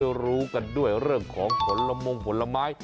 ไปเจอรู้กันด้วยเรื่องของขนละมงก์ขนละไม้